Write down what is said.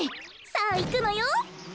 さあいくのよ。